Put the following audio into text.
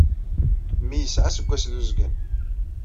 Mmi yesɛa aseggas d uzgen.